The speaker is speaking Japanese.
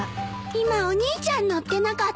今お兄ちゃん乗ってなかった？